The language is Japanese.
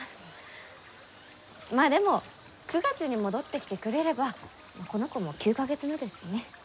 まあでも９月に戻ってきてくれればこの子も９か月目ですしね。